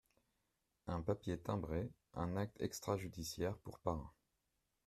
Un papier timbré, un acte extra-judiciaire pour parrain.